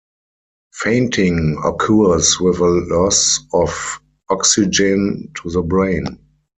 Fainting occurs with a loss of oxygen to the brain.